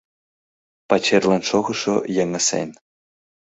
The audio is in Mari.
Пачерлан шогышо йыҥысен.